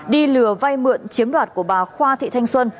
đi lừa vay mượn chiếm đoạt của bà khoa thị thanh xuân